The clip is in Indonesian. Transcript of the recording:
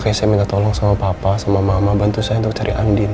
kayak saya minta tolong sama papa sama mama bantu saya untuk cari andin